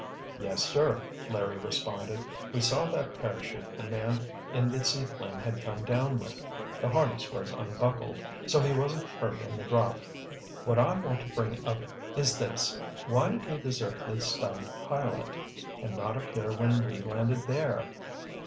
"Yes, sir," Larry responded. "We saw that parachute the man in the seaplane had come down with—the harness was unbuckled, so he wasn't hurt in the drop. What I want to bring up is this: why did he desert the stunned pilot—and not appear when we landed there?"